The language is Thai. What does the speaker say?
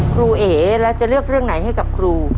เอ๋แล้วจะเลือกเรื่องไหนให้กับครู